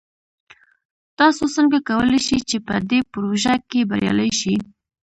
تاسو څنګه کولی شئ چې په دې پروژه کې بریالي شئ؟